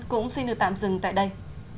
cũng xin được tạm dừng tại đây